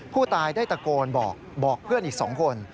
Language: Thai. ผู้ตายได้ตะโกนบอกเพื่อนอีก๒คน